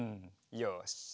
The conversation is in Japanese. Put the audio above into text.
よし。